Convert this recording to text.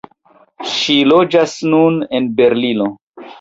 Ŝi loĝas nun en Berlino.